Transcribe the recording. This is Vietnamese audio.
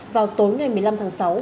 vào tối ngày một mươi năm tháng sáu